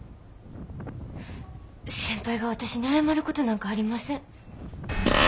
先輩が私に謝ることなんかありません。